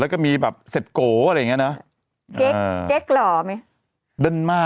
แล้วก็มีแบบเศรษฐ์โก๋อะไรอย่างนี้นะ